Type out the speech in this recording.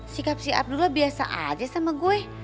sikap si abdullah biasa aja sama gue